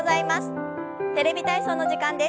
「テレビ体操」の時間です。